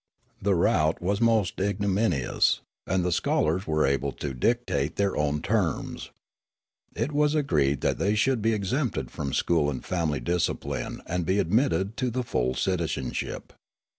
The rout was most ignominious, and the scholars were able to dictate their own terms. It was agreed that the} should be exempted from school and family discipline and be admitted to the full citizenship.